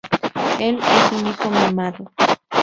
Él es un hijo mimado.